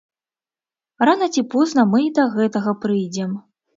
Рана ці позна мы і да гэтага прыйдзем.